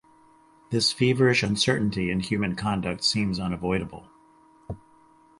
This feverish uncertainty in human conduct seems unavoidable.